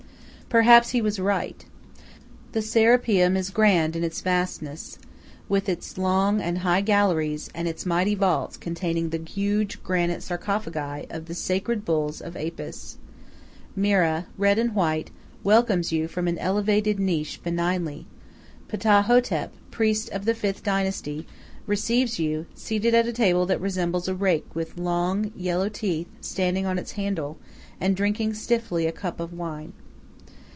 Perhaps he was right. The Serapeum is grand in its vastness, with its long and high galleries and its mighty vaults containing the huge granite sarcophagi of the sacred bulls of Apis; Mera, red and white, welcomes you from an elevated niche benignly; Ptah hotep, priest of the fifth dynasty, receives you, seated at a table that resembles a rake with long, yellow teeth standing on its handle, and drinking stiffly a cup of wine.